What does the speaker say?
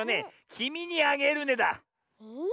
「きみにあげるね」だ。え？